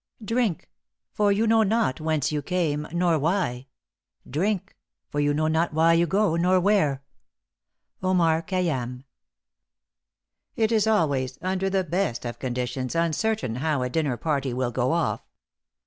Drink! for you know not whence you came, nor why. Drink! for you know not why you go, nor where. _ Omar Kháyyám_. It is always, under the best of conditions, uncertain how a dinner party will "go off."